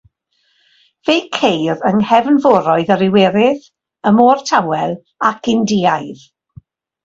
Fe'u ceir yng Nghefnforoedd yr Iwerydd, y Môr Tawel ac Indiaidd.